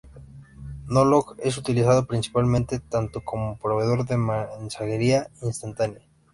No-log es utilizado principalmente tanto como proveedor de mensajería instantánea.